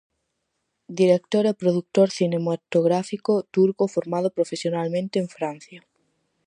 Director e produtor cinematográfico turco formado profesionalmente en Francia.